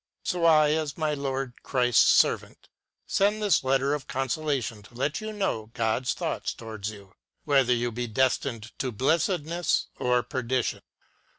So I, as my Lord Christ's servant, send this letter of consola tion to let you know God's thoughts towards you, whether you be destined to blessedness or perdition.